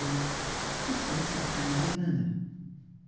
CHRISTMAS AT TANGLEY MANOR.